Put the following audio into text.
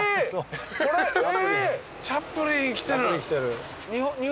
チャップリン来てる。